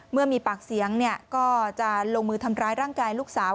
เมื่อมีปากเสียงก็จะลงมือทำร้ายร่างกายลูกสาว